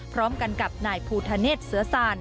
พร้อมกันกับนายภูทะเนศเสือซาน